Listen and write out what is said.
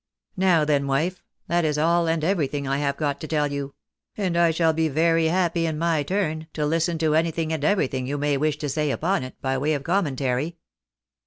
Now then, wife, that is all and everything I have got to teU you ; and I shall be very happy, in my turn, to hsten to anything and everything you may wish to say upon it, by way of commentary."